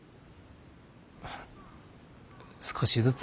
少しずつ。